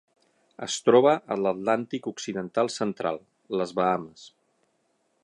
Es troba a l'Atlàntic occidental central: les Bahames.